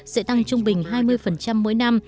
sẽ tăng trung bình hai mươi mỗi năm